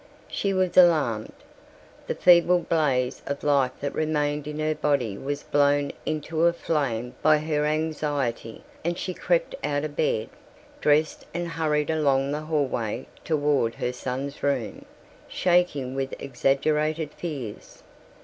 She was alarmed. The feeble blaze of life that remained in her body was blown into a flame by her anxiety and she crept out of bed, dressed and hurried along the hallway toward her son's room, shaking with exaggerated fears.